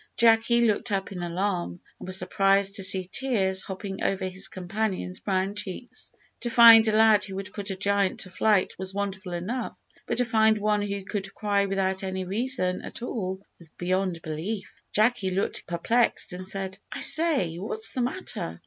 Jacky looked up in alarm, and was surprised to see tears hopping over his companion's brown cheeks. To find a lad who could put a giant to flight was wonderful enough, but to find one who could cry without any reason at all was beyond belief. Jacky looked perplexed and said, "I say, what's the matter?"